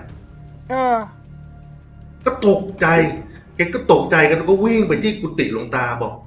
อ่าก็ตกใจแกก็ตกใจกันก็วิ่งไปที่กุฏิหลวงตาบอก